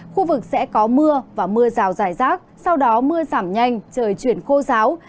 khu vực sẽ có mưa và mưa rào dài rác sau đó mưa giảm nhanh trời chuyển khô giáo